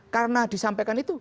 karena disampaikan itu